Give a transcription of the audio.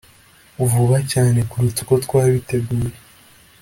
vuba cyane kuruta uko twabiteguye